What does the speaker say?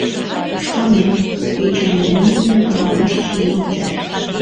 — Шканем, — Эчан лӱмдымӧ парняш чиен онча.